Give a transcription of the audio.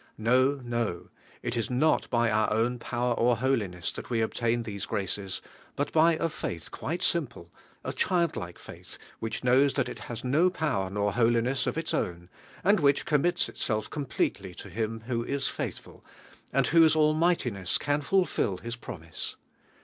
No, no; it is not by onr own power or holiness that we ob tain these graces, but by a faith quiie simple, a childlike faith, which knows that it has no power nor holiness of its own, and which commits itself complete ly to Him who is faithful, and whose al mightiness can fulfil IBs .promise.